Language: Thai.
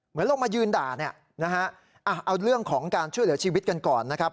ลงมายืนด่าเนี่ยนะฮะเอาเรื่องของการช่วยเหลือชีวิตกันก่อนนะครับ